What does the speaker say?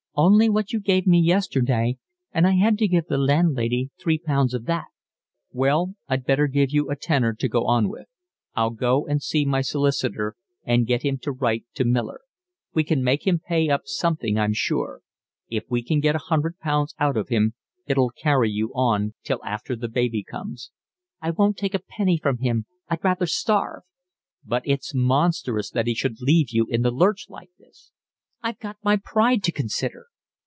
"Only what you gave me yesterday, and I had to give the landlady three pounds of that." "Well, I'd better give you a tenner to go on with. I'll go and see my solicitor and get him to write to Miller. We can make him pay up something, I'm sure. If we can get a hundred pounds out of him it'll carry you on till after the baby comes." "I wouldn't take a penny from him. I'd rather starve." "But it's monstrous that he should leave you in the lurch like this." "I've got my pride to consider."